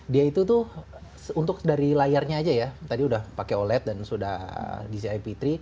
dia itu tuh untuk dari layarnya aja ya tadi udah pakai oled dan sudah dcip tiga